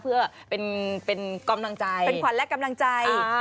เพื่อเป็นกำลังใจ